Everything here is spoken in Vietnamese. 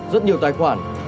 rất nhiều tài khoản